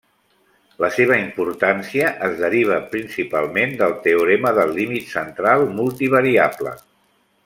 La seva importància es deriva principalment del teorema del límit central multivariable.